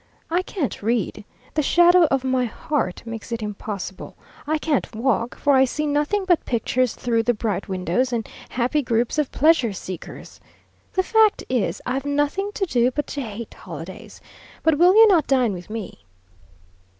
I can't read the shadow of my heart makes it impossible. I can't walk for I see nothing but pictures through the bright windows, and happy groups of pleasure seekers. The fact is, I've nothing to do but to hate holidays. But will you not dine with me?"